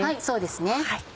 そうですね。